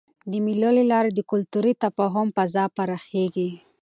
د مېلو له لاري د کلتوري تفاهم فضا پراخېږي.